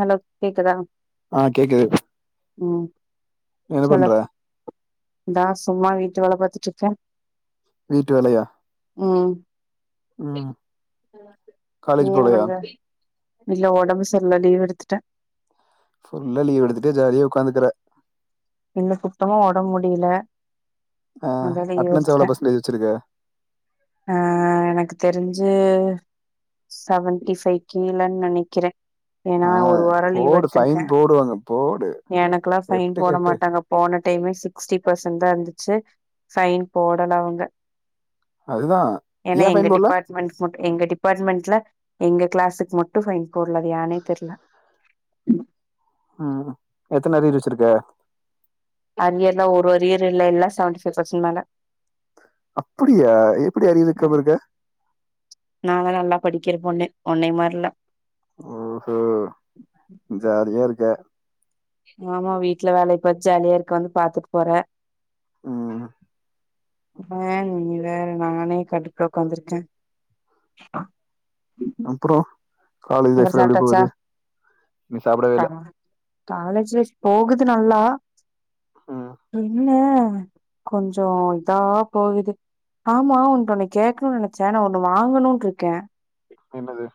Hello கேக்குதா ஆ கேக்குது உம் என்ன சொல்லு பண்ற இதா சும்மா வீட் வேல பாத்துட்டு இருக்கேன் வீட்டு வேலயா ஹம் நீ காலேஜ் என் போலையா பண்ற இல்ல உடம்பு சரியில்ல லீவ் எடுத்துட்டேன் ஃபுல்லா லீவ் எடுத்துட்டே ஜாலியா உட்காந்துக்கற இன்னும் சுத்தமா உடம்பு முடியல ஆ அதான் லீவு அட்டனன்ஸ் எவ்ளோ எடுத்துட்டேன் பர்சன்டேஜ் வச்சிருக்க ஆஹ எனக்கு தெரிஞ்சு [inaudible] செவன்டி ஃபைவ் கீழன்னு நெனைக்கிறேன் ஆஹ் போடு பைன் போடுவாங்க போடு எனக்கெல்லா ஃபைன் கெட்டு போட கெட்டு மாட்டாங்க போன டைமே சிக்ஸ்டி பர்சன்ட் தான் இருந்துச்சு ஃபைன் போடல அவங்க அதுதா ஏன்னா ஏ எங்க ஃபைன் போடல டிபார்ட்மெண்ட் எங்க டிபார்ட்மெண்ட்ல எங்க க்ளாஸ்க்கு மட்டு ஃபைன் போடல அது யானே தெரியல ம் எத்தன அரியர் வெச்சிருக்க அரியர்லா ஒரு அரியரு இல்ல எல்லா செவன்டி ஃபைவ் பசன்ட் மேல அப்டியா எப்டி அரியர் வெக்காமா இருக்க நா தா நல்லா படிக்கிற பொண்ணு உன்னைய மாரி இல்ல ஓ ஜாலியா இருக்க ஆமா வீட்ல வேலய பாத்துட்டு ஜாலியா இருக்க வந்து பாத்துட்டு போற ம் ஏங்க நீங்க வேற நானே கடுப்புல ஒக்காந்துருக்கே [inaudible] அப்பறோம் காலேஜ் அப்றோ லைஃப்லா எப்டி சாப்ட்டாச்சா போது நீ கா சாப்படவேல காலேஜ் லைஃப் போகுது நல்லா ம் என்ன கொஞ்சம் இதா போகுது ஆமா ஊன்ட்ட ஒன்னு கேக்கணுனு நெனச்சே நா ஒண்ணு வாங்கணுன்று இருக்கேன் என்னது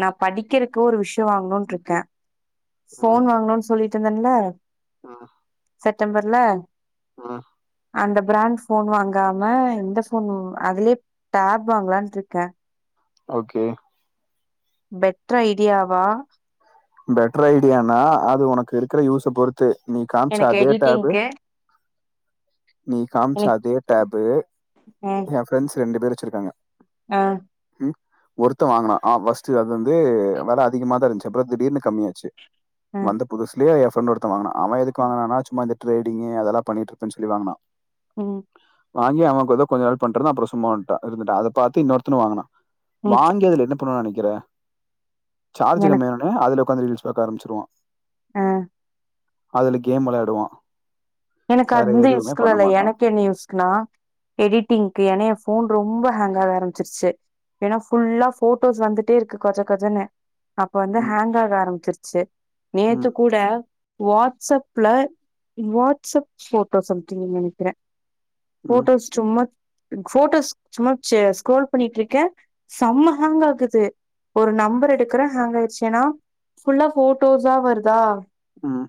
நா படிக்கிறக்கு ஒரு விஷயோம் வாங்கணோனு இருக்கேன் ம் போன் வாங்கனோனு சொல்லிட்டு இந்தேன்ல ம் செட்டம்பர்ல ம் அந்த பிராண்ட் போன் வாங்காம இந்த போன் அதுலயே டேப் வாங்கலான்ட்டு இருக்கேன் ஓகே பெட்ர் ஐடியாவா பெட்ர் ஐடியானா அது உனக்கு இருக்குற யூஸ பொறு த்து நீ காம்ச்ச எனக்கு அதே டேபு எடிட்டிங்க்கு நீ காமிச்ச எனக்கு அதே டேபு அ என் ஃப்ரெண்ட்ஸ் ரெண்டு பேர் வெச்சிருக்காங்க அ ஒருத்த வாங்கனா ஆ ஃபர்ஸ்ட்டு அது வந்து வெல அதிகமா தா இருன்ச்சி அப் திடீர்னு கம்மியாச்சி அ வந்த புதுசுலே எப் ஃப்ரெண்டு ஒருத்த வாங்குனா அவ எதுக்கு வாங்கனானா சும்மா இந் ட்ரேடிங்கு அதொல்லா பண்ணிட்டு இருப்பேனு சொல்லி வாங்குனா ம் வாங்கி அவ எதோ கொஞ்ச நாள் பண்ட்ருந்தா அப்புறோ சும்மா இருந்துட்டு அத பாத்துட்டு இன்னோருத்தனோ வாங்கினா ம் வாங்கியதுல பண்ணணு நெனைக்கிற சார்ஜ் எனக்கு கம்மியா அதுல ஒக்காந்து ரீல்ஸ் பாக்க ஆரம்பிச்சிருவா அ அதுல கேம் வெளையாடுவான் எனக்கு வேற அந்து எதுவுமே யூஸ்க்குல்லா பண்ண இல்ல மாட்டான். எனக்கு என்ன யூஸ்க்குனா எடிட்டிங்க்கு எனி ஃபோன் ரொம்ப ஹாங்க் ஆக ஆரம்பிச்சிருச்சி ஏனா ஃபுல்லா ஃபோட்டோஸ் வந்துட்டே இருக்கு கொஜ கொஜன்னு அப்ப வந்து ம். ஹாங் ஆக ஆரம்பிச்சிருச் செரி நேத்து ம். கூட வாட்ஸ்அப்ல வோட் வாட்ஸ்அப் ஃபோட்டோ சம்திங்னு நெனைக்கிறேன் ம். ஃபோட்டோஸ் சும்மா ஃபோட்டோஸ் சும்மா ஸ்கரோல் பண்ணிட்டு இருக்கேன் செம்ம ஹாங் ஆகுது ஒரு நம்பர் எடுக்கிற ஹாங் ஆயிருடுச்சேன்னா ஃபுல்லா ஃபோட்டோஸா வருதா உம்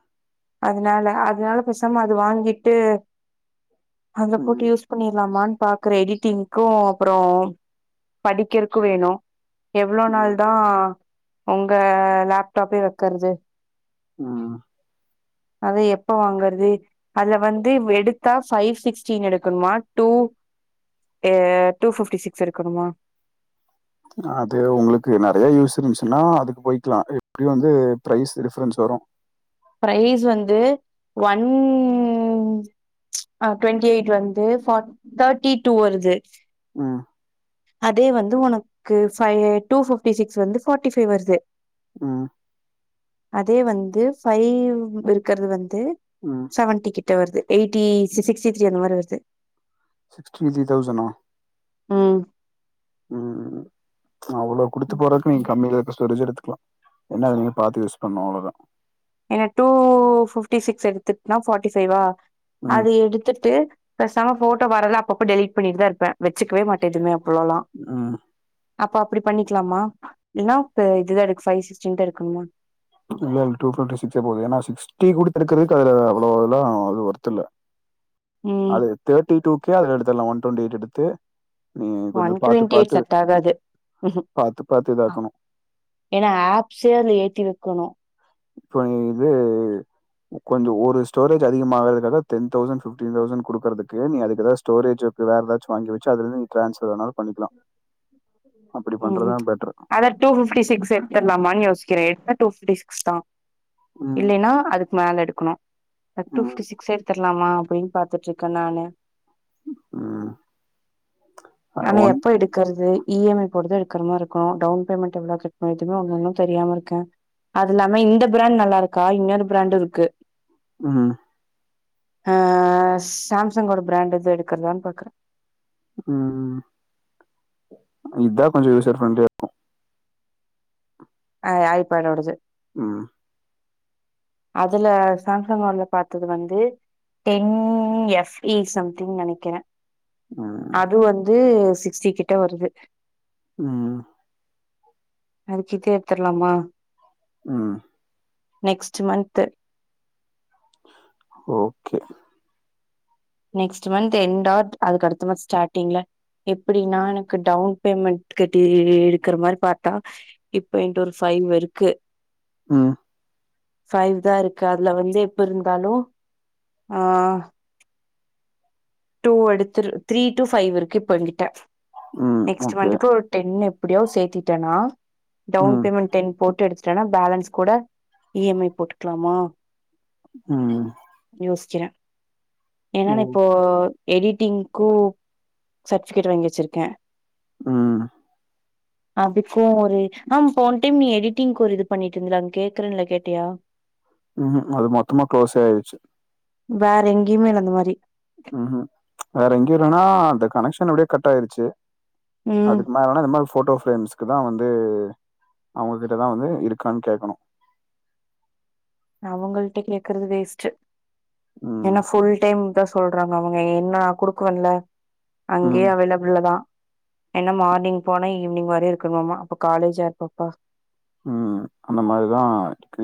அதனால அதனால த்தமா அத வாங்கிட்டு அது போட்டு ம். யூஸ் பண்ணிடலாமான்னு பாக் கிரெடிட்டிங்க்கும் அப்புறம் படிக்கிறதுக்கு வேணும் எவ்ளவு நாள் ம். தான் உங்க லேப்டாப்பே வைக்கிறது ம் அத எப்ப வாங்கறது அதுல வந்து எடுத்தா ஃபைவ் சிக்ஸ்டி எடுக்கணுமா டூ பிஃப்டி சிக்ஸ் எடுக்கணுமா அது உங்களுக்கு நெறைய யூஸ் இருந்துச்சுன்னா அதுக்கு போயிக்கலாம் எப்படியும் வந்து ப்ரைஸ் டிஃப்ரன்ஸ் வரும் ப்ரைஸ் வந்து ஒன் டுவெண்டி எயிட் வந்து தேர்ட்டி டூ வருது ம் அதே வந்து உனக்கு டுபிஃப்டி சிக்ஸ் வந்து ஃபோட்டி ஃபைவ் வருது ம் அதே வந்து ஃபைவ் கிட்ட இருக்கிறது வந்து ம் செவன்டி கிட்ட வருது எயிட்டி சிக்ஸ்சிக்ஸ்டி வருது சிக்ஸ்டி த்ரீ தௌசண்ணா உம் உம் உம் அவ்வளவு குடுத்து போறக்கு நீ கம்மியா ரேட்ல எடுத்துக் லாம் என்ன அத நீங்க பாாத்து யூஸ் பண்ணணும் அவ்வளவுதான் என்ன டூ பிஃப்டி சிக்ஸ் எடுத்துனா ஃபோட்டி ஃபைவா ம் அது எடுத்துட்டு பேசாம ஃபோட்டோ வரத அப்ப அப்ப வரவர டெலிட் பண்ணிட்டுதான் இருப்பேன் வச்சுக்கவே மாட்டேன் அவ்ளோலாம் ம் அப்ப அப்படி பண்ணிக்கலாமா இல்லனா இப்ப இதுதான் இருக்கு ஃபைவ் சிக்ஸ்டின் இருக்கணுமா இல்ல இது டூ பிஃப்டி சிக்ஸ் போதும் ஏன்னா சிக்ஸ்டி குடுத்து இருக்கிறதுக்கு அதுல அவ்வளவெல்லாம் அது ஒர்த் இல்ல ம் அது தேட்டி டூ ல எடுத்துலாம் ஒன் டுவெண்டி எய்ட் எடுத்து நீ கொஞ்சோ ஒன் பாத்து டுவண்டி எயிட் பாத்து செட் ஆகாது பாத்து பாத்து இதாக்கணு ஏன்னா ஆப்ஸே அது ஏத்தி வக்கணும் இப்போ நீ இது கொஞ்சம் ஒரு ஸ்டோரேஜ் அதிகம் ஆறதுக்க டென் தௌசண்ட் பிப்டீன் தௌசண்ட் குடுக்கறதுக்கு நீ அதுக்கு ஏத ஸ்டோரேஜ் வேற ஏதாச்சும் வாங்கி வச்சு அதுல இருந்து நீ டிரான்சர் எல்லாம் பண்ணிக்கலாம் ஹிம் அத டூ பிப்டி சிகிஸ் எடுத்தரலாமான்னு யோசிக்கிறேன் டூ பிப்டி சிக்ஸ் தான் ம் இல்லைனா அதுக்கு மேல எடுக்கு க்குனு ஓன் ம் பிப்டி சிக்ஸ் எடுத்தரலாம் நாம அப்பிடின்னு பாத்துட்டு இருக்க நாள ம் அஹ் ஆனா ஒன் எப்ப எடுக்கிறது இயி எம்ஐ எடுக்கிற மாரி இருக்கும் டவுன் பேமண்ட் எவ்வுளோ கட்டுனு எதுமே இன்னும் தெரியாம இருக்கேன் அது இல்லாம இந்த பிராண்ட் நல்லா இருக்கா இன்னொரு பிராண்ட இருக்கு ம் ஆஹ சாம்சங்கேட பிராண்ட் எது எடுக்கறதான்னு பாக்குறேன் உம் இதான் கொஞ்சம் யூசர் பிரண்லியா இருக்கும் ஆய் பேட்டோடது ஹிம் அதுல சாம்சங் பாத்தது வந்து டென் எஸ்யி சம்திங்னு நினைக்கிறேன் ம் அது வந்து சிக்ஸ்டி கிட்ட வருது உம் அதுக்கிதே எடுத்துரலாமா [unintelligible] next month okay next month என் டாட் அதுக்கு அடுத்த மாச ஸ்டார்டிங்ல எப்படின்னா எனக்கு டவுட் பேமெண்ட் கட்டி எடுக்கற மாரி பாத்தா இப்ப என்ட ஒரு பைஃவ் இருக்கு ம் பைஃவ்வுதான் இருக்கு அதுல வந்து எப்ப இருந்தாலும் ஆஹ டூ எடுத்து த்ரீ டூ பைவ் இருக்கு இப்ப எங்கிட்ட ம் நெக்ஸ்ட் ஓகே மந்த்க்கு ஒரு டென்னு எப்புடியா சேத்திட்டேனா டவுன் ம் பேமெண்ட் டென் போட்டு எடுச் பேலன்ஸ் கூட இஎம்ஐ போட்டுக்கிலாமா ம் யோசிக்கிறன் ஓ ஏனன்னா இப்போ எடிட் டிங்கு சர்டிபிகேட் வாங்கி வச்சிருக்கேன் [unintelligible] அதுக்கும் ஒரு ஆ இப்ப போன டைம் நீ எடிட்டிங்க்கு ஒரு இது பண்ணிட்டு இருந்தல அங்க கேக்குறேன்ல கேட்டியா உஹம் அது மொத்தமா க்ளோஸ் ஆயிச்சு வேறயெங்க இய்மெல் அந்த மாரியி ம்ம் வேற எங்கயறன்னா இந்தந்த கனெக்ஷன் எப்டியே கட் ஆயிருச்சு ம் அதுக்கு மேலனா போட்டோ பிரரேம்ஸ்க்கு தான் வந்து அவங்ககிட்டதான் வந்து இருக்கான்னு கேட்கனும் அவங்கிளட்ட கேக்குறது வேஸ்ட்டு ம். புல் டைம் தான் சொல் சொறாங்க அவங்க என்ன குடுக்குவேல அங்கேயே ம். அவைலபிள் தான் என்னா மார்னிங் போனா ஈவினிங் வரையும் இருக்கணுமா அப்ப காலேஜ் அப்பப்பா ம் அந்த மாரிதான்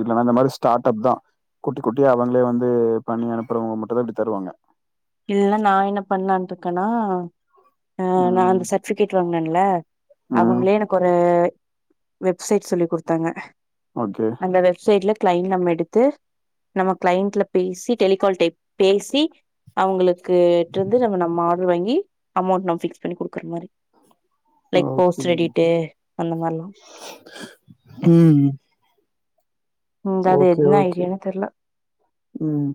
இல்லன்னா இந்த மாரி ஸ்டார்ட் அப் தான் குட்டி குட்டிே அவங்களே வந்து பண்ணி அனுப்புறவங்க மட்டும் தான் இப்டி தருவாங்க இல்ல நான என்ன பண்ணலான் இருக்கேனா ஆ நான ம். அந்த சர்டிபிகேட் வாங்கினேன் நா ம். அவங்களே எனக்கு ஒரு வெப்சைட் சொல்லி குடுத்தாங்க ஓகே. அந்த வெப்சைட்ல கிளைண்ட் நம்ம எடுத்து நம்ம கிளைண்டட்ல பேசி டெலிகால் டைப்பேசி அவங்களுக்கு இருந்து நம்ம நம்ம ஆர்டர் வாங்கி அமௌண்ட் நம்ம பிக்ஸ் பண்ணி குடுக்குற மாரி லைக் ஓகே. போஸ்டர் எடிட்டு அந்த மாரிலாம் ம். ஓகே ஓகே ஐடியானு தெர்ல உம்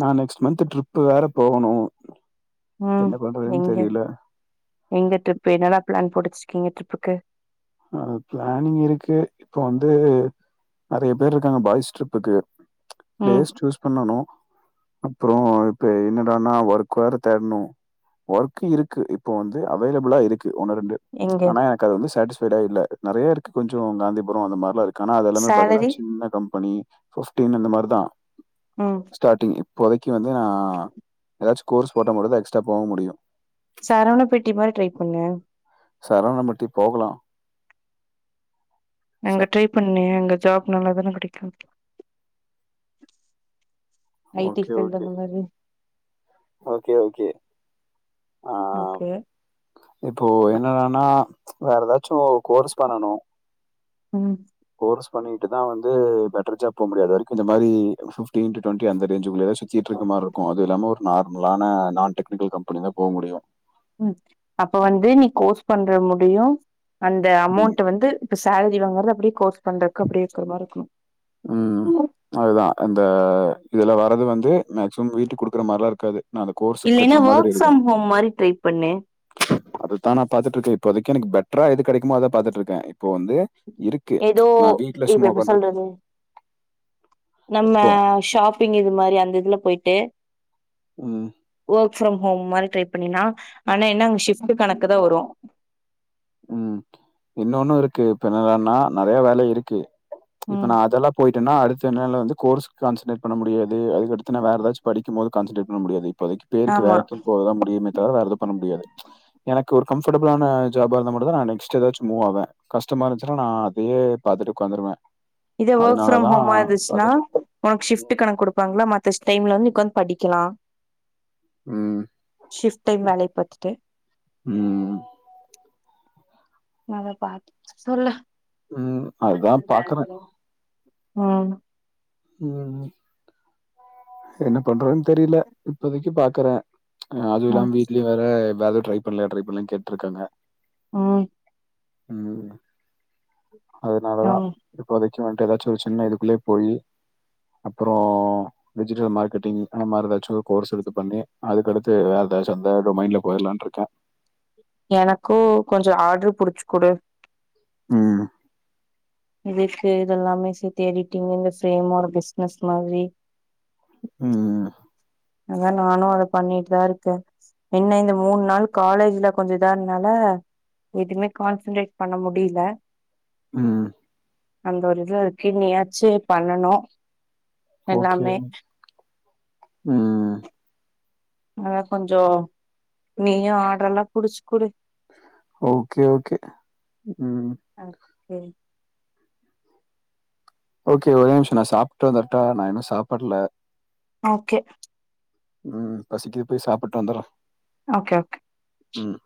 நா நெக்ஸ் மந்த் டிர்ப் டிர்ப் வேற போகணும் ம் என்ன பண்றதுன்னு எங்க தெரியல எங்க ட்ரிப் என்னலாம் பிளான் போட்டுச்சுரிகிங்க ட்ரிப்புக்கு பிளானிங் இருக்கு இப்ப வந்து நெறைய பேர் இருக்காங்க பாய்ஸ் ட்ரிப்புக்கு ம் பிளேஸ் சூஸ் பண்ணணும் அப்பறம் இப்ப என்னடனா ஒர்க் வேற தேடணும் ஒர்க் இருக்கு இப்ப வந்து அவேலபிளா இருக்கு ஒன்னு ரெண்டு எங்க ஆனா எனக்கு அது வந்து சேட்டிஸ் விடா இல்ல நெறைய இருக்கு கொஞ்சம் காந்திபுரம் அந்த மாரிலாம் இருக் ஆனா அதெ எல்லாமே பாத்தீங்கன்னா சேலரி சின்ன கம்பெனி போஸ்டிங் அந்த மாரிதான் ம் ஸ்டார்டிங் இ [inaudible] வந்து நான் ஏதாச்சும் கோர்ஸ் போட்ட மொதல்ல எக்ஸ்ட்ரா போ முடியும் சரவன பெட்டி மாதிரி ட்ரை பண்ணு சரவணம்பட்டி போகலாம் ச அங்க ட்ரை பண்ணேன் எங்க ஜாப் நல்லாதானே பிடிக்கும் ஐடி ஓகே, ஃபீல்டு ஓகே. அந்த மாரி ஓகே ஓகே ஆஹ ஓகே இப்போ என்னத ஆனா வேற ஏதாச்சும் கோர்ஸ் பண்ணனும் உம் கோர்ஸ் பண்ணிட்டுதான் வந்து பெட்டர் ஜாப் போ முடியாது வரைக்கும் இந்த மாரி பிப்டி டூ டுவண்டி அந்த ரேஞ்சுகுள்ளே ட்டு இருக்கு மாரி இருக்கும் அது இல்லாம ஒரு நார்மலான நான் டெக்னிக்கல் கம்பெனி தான் போ முடியும் உம் அப்ப வந்து நீ கோர்ஸ் பண்ற முடியும் அந்த ம். அமௌண்ட் வந்து இப்ப சேலரி வாங்க படி கோஸ் பந்தக்கு அப்படி இருக்க மாதிரி இருக்கணும் உம் அதுதான் இந்த இதுல வரறது வந்து மேக்சிமம் வீட்டுக்கு குடுக்குற மாதிரிலாம் இருக்காது நான் அந்த கோர்ஸுக்கு இல்லன்னா கட்டுற மாதிரி ஒர்க் இருக்கும். ஃரம் ஹோம் மாரி ட்ரை பண்ணு பாத்துட்டுக்க இப்போதக்கும் எனக்கு பெட்டரா இது கிடைக்குமா அதான் பாத்துட்டு இருக்கேன் இப்போ வந்து இருக்கு ஏதோ நான் வீட்டுல இப்ப சும்மா எப்டி உக்காந்து சொல்றது நம்ம ஷாப்பிங் இது மாதிரி அந்த இதுல போயிட்டு உம் ப்ரம் ஹோம் மாதிரி ட்ரை பண்ணினா ஆனா என்ன அங்க ஷிஃப்ட்ட் கணக்கு தான் வரும் உம் இன்னொன்னு இருக்கு பின் என்னன்னா நிறைய வேலை இருக்கு இப்ப ம் நான் அததெல்லாம் போயிட்டேன்னா அடுத்து சென்ன வந்து கோர்ஸ் கான்சன்ட்டேட் பண்ண முடியாது அதுக்கடுத்து வேற ஏதாச்சும் படிக்கும் போது கான்சன்டே் பண்ணடியாது இப்பதக்கு பேருக்கு ஆமா வேலைக்கு போகதான் முடியமே தவிர வேற எது பண்ண முடியாது எனக்கு ஒரு கம்ஃபர்டபிளான ஜாபா இருந்த மட்டும்தான் நெக்ஸ்ட் வச்சு மூவ் ஆவேன் கஷ்டமா இருந்துச்சு ந அதே பாத்துட்டு ஒக்காந்துடுவேன் இதே ஒர்க் ஃப்ரம் ஹோம் இருந்துச்சுன்னா பார்த்துட்டு உனக்கு ஷிப்ட் கணக்கு கொடுப்பாங்களா மத்தஷ்ட டைம்ல வந்து இங்க வந்து படிக்கலாம் ம், ஷிஃப்ட் டைம் வேலைய பார்த்துட்டு ம், நாங்க பாத்து சொல்ல உம் அதுதான் பாக்குறேன் உஹம் உஹம் என்ன பண்றோன்னு தெரில இப்போதைக்கு பாக்குறேன் அதுவும் ம் இல்லாம் வீட்லயே வேற எதாது ட்ரை பண்ணலா ட்ரை பண்ணலா கேட்டுட்டு இருக்காங்க உஹ் உம் அதனாலதான் ம் இப்போதைக் மு ஏதாச்சும் ஒரு சின்ன இதுக்குள்ளே போய் அப்பறம் டிஜிட்டல் மார்க்கெட்டிங் அந்த மாரி ஏதாச்சும் கோர்ஸ் எடுத்து பண்ணி அதுக்கடுத்து வேற ஏதாச்சும் அந்த டொமைன்ல போயிடலாம் இருக்கேன் எனக்கும் கொஞ்சம் ஆர்டரு புடிச்சு குடு உம் இதுக்கு இததெல்லாமே சேர்த்து எடிட்டிங் இந்த ஃரேம் ஒரு பிஸ்னஸ் மாதிரி உஹ் அதான் நானும் அத பண்ணிட்டுதான் இருக்கேன் என்ன இந்த மூணு நாள் காலேஜ்ல கொஞ்சம் இதா இருனால எதுவுமே கான்சன்ட்ரேட் பண்ண முடியல ம் அந்த ஒரு இதுல இருக்கு நீயாச்சும் பண்ணனும் எல்லாமே ஆஹம் அதா கொஞ்சம் நீயும் ஆர்டர் எலாம் புடிச்சு குடு ஓகே ஓகே உம் ம் ஓகே ஒரே நிமிஷம் நான் சாப்பிட்டு வந்தரட்டா நான் இன்னும் சாப்பிடல ஓகே உம் பசிக்குது போய் சாப்பிட்டு வந்துருறேன் ஓகே ஓகே [unintelligible] உம்